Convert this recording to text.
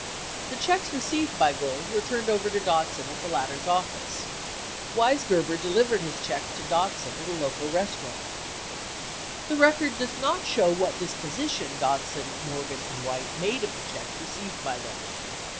The checks received by Gold were turned over to Dodson at the latter's office; Weisgerber delivered his checks to Dod son at a local restaurant. The record does not show what disposition Dodson, Mor gan, and White made of the checks received by them.